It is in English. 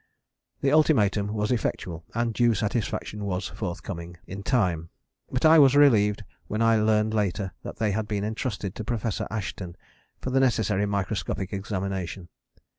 The ultimatum was effectual; and due satisfaction was forthcoming in time; but I was relieved when I learnt later on that they had been entrusted to Professor Assheton for the necessary microscopic examination.